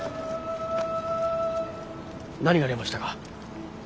何がありましたか？